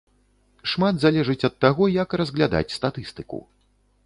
Шмат залежыць ад таго, як разглядаць статыстыку.